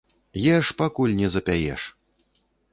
Еш, пакуль не запяеш.